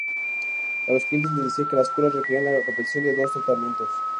A los clientes les decía que las curas requerían la repetición de los tratamientos.